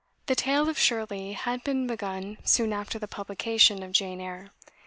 The tale of "Shirley" had been begun soon after the publication of "Jane Eyre."